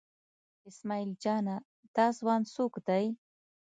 اسمعیل جانه دا ځوان څوک دی؟